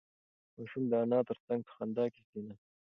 ماشوم د انا تر څنگ په خندا کې کېناست.